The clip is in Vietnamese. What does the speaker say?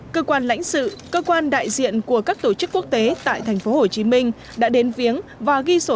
cơ quan lãnh sự cơ quan đại diện của các tổ chức quốc tế tại tp hcm đã đến viếng và ghi sổ